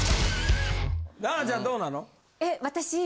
奈々ちゃんどうなの？